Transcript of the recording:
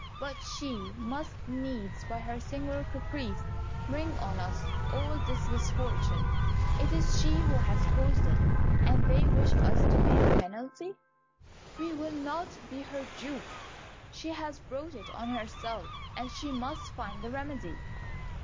But she must needs, by her singular caprice, bring on us all this misfortune. It is she who has caused it, and they wish us to pay the penalty. We will not be her dupe. She has brought it on herself, and she must find the remedy."